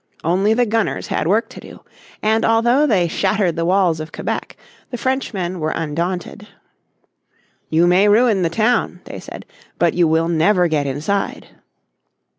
Only the gunners had work to do. And although they shattered the walls of Quebec the Frenchmen were undaunted. "You may ruin the town," they said, "but you will never get inside."